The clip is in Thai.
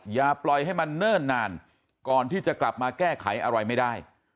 อย่าปล่อยให้มันเนิ่นนานก่อนที่จะกลับมาแก้ไขอะไรไม่ได้